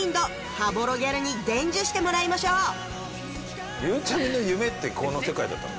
羽幌ギャルに伝授してもらいましょうゆうちゃみの夢ってこの世界だったの？